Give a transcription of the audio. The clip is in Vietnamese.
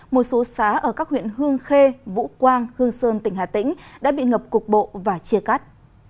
một số xã ở các huyện hương khê vũ quang hương sơn tỉnh hà tĩnh đã bị ngập cục bộ và chia cắt